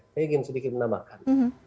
saya ingin sedikit menambahkan